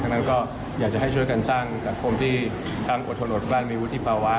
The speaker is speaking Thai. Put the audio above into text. นั้นก็อยากจะให้ช่วยกันสร้างสังคมที่ทั้งอดทนอดกลั่นมีวุฒิภาวะ